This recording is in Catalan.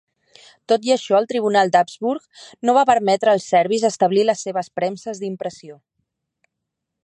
Tot i això, el tribunal d"Habsburg no va permetre als serbis establir les seves premses d"impressió.